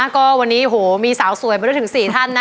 ก็วันนี้โหมีสาวสวยไปด้วยถึง๔ท่านนะ